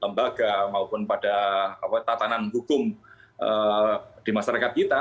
lembaga maupun pada tatanan hukum di masyarakat kita